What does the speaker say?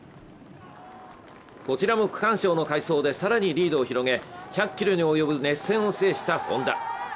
こちらも区間賞の快走で更にリードを広げ、１００ｋｍに及ぶ熱戦を制したホンダ。